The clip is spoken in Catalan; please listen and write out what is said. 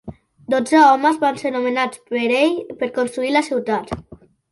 Dotze homes van ser nomenats per ell per construir la ciutat.